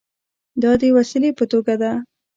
دا د وسیلې په توګه ده.